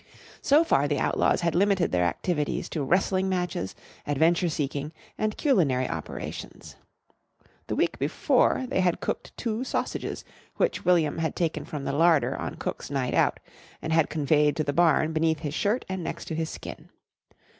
So far the Outlaws had limited their activities to wrestling matches, adventure seeking, and culinary operations. The week before, they had cooked two sausages which William had taken from the larder on cook's night out and had conveyed to the barn beneath his shirt and next his skin.